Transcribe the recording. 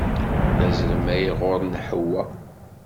D azrem ay iɣurren Ḥewwa.